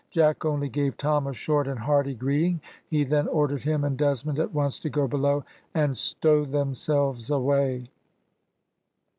Jack only gave Tom a short and hearty greeting; he then ordered him and Desmond at once to go below and stow themselves away.